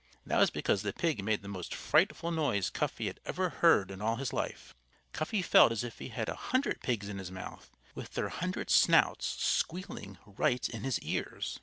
That was because the pig made the most frightful noise Cuffy had ever heard in all his life. Cuffy felt as if he had a hundred pigs in his mouth, with their hundred snouts squealing right in his ears.